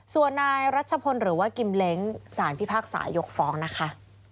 ส่วนนายรัชพลหรือว่ากิมเล้งสารพิพากษายกฟ้องนะคะ